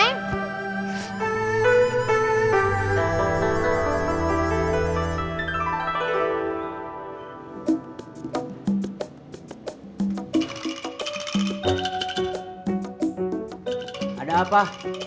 neng itu ada apa